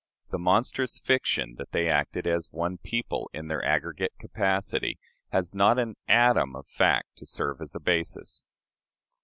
The monstrous fiction that they acted as one people "in their aggregate capacity" has not an atom of fact to serve as a basis.